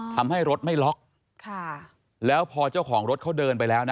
ทำให้รถไม่ล็อกแล้วพอเจ้าของรถเขาเดินไปแล้วนะ